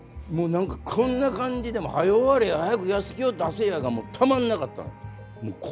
もう何かこんな感じで「はよ終われや早くやすきよ出せや」がもうたまんなかったのよ。